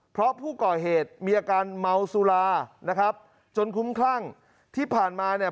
เพราะผู้ก่อเหตุมีอาการเมาสุรานะครับจนคุ้มคลั่งที่ผ่านมาเนี่ย